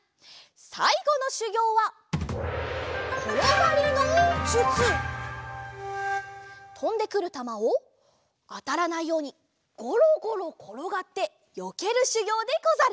さいごのしゅぎょうはとんでくるたまをあたらないようにゴロゴロころがってよけるしゅぎょうでござる。